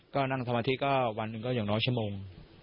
ก็นั่งสมาธิก็วันหนึ่งก็อย่างน้อยชั่วโมง